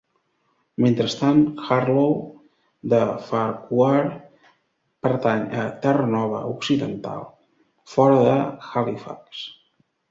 Mentrestant, Harlaw de Farquhar pertany a Terranova occidental, fora de Halifax.